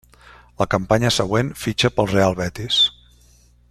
La campanya següent fitxa pel Real Betis.